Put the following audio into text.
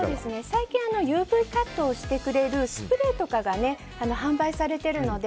最近、ＵＶカットをしてくれるスプレーとかが販売されているので。